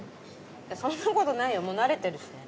そんなことないよもう慣れてるしね。